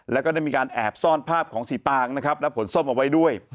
แล้วก็ได้มีการแอบซ่อนภาพของสีตางนะครับและผลส้มเอาไว้ด้วย